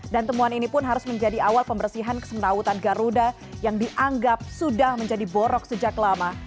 dan temuan ini pun harus menjadi awal pembersihan kesemtautan garuda yang dianggap sudah menjadi borok sejak lama